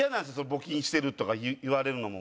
募金してるとか言われるのも。